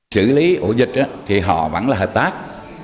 xử lý ổ dịch thì họ vẫn là hợp tác